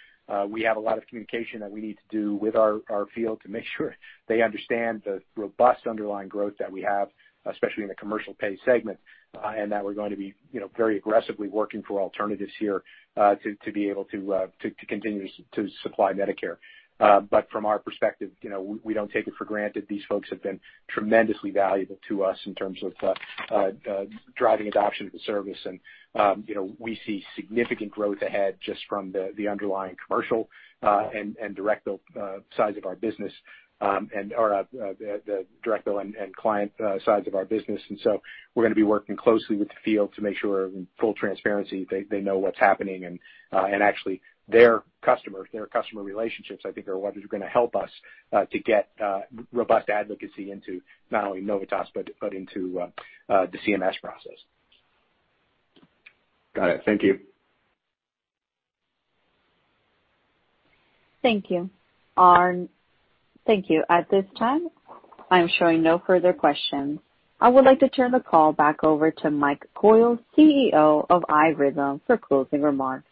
we have a lot of communication that we need to do with our field to make sure they understand the robust underlying growth that we have, especially in the commercial pay segment, and that we're going to be very aggressively working for alternatives here, to be able to continue to supply Medicare. From our perspective, we don't take it for granted. These folks have been tremendously valuable to us in terms of driving adoption of the service and we see significant growth ahead just from the underlying commercial, and direct bill size of our business, and the direct bill and client sides of our business. We're going to be working closely with the field to make sure in full transparency they know what's happening and actually their customers, their customer relationships, I think, are what is going to help us to get robust advocacy into not only Novitas, but into the CMS process. Got it. Thank you. Thank you. At this time, I am showing no further questions. I would like to turn the call back over to Mike Coyle, CEO of iRhythm, for closing remarks.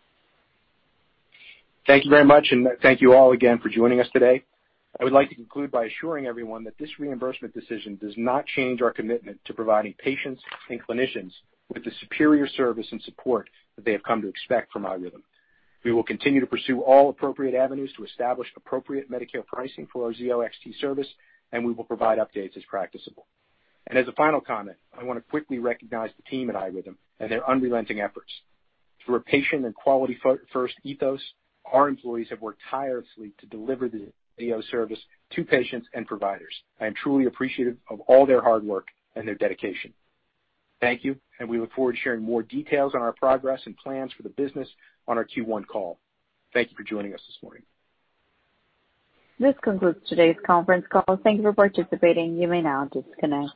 Thank you very much, and thank you all again for joining us today. I would like to conclude by assuring everyone that this reimbursement decision does not change our commitment to providing patients and clinicians with the superior service and support that they have come to expect from iRhythm. We will continue to pursue all appropriate avenues to establish appropriate Medicare pricing for our Zio XT service, and we will provide updates as practicable. As a final comment, I want to quickly recognize the team at iRhythm and their unrelenting efforts. Through a patient and quality-first ethos, our employees have worked tirelessly to deliver the Zio service to patients and providers. I am truly appreciative of all their hard work and their dedication. Thank you, and we look forward to sharing more details on our progress and plans for the business on our Q1 call. Thank you for joining us this morning. This concludes today's conference call. Thank you for participating. You may now disconnect.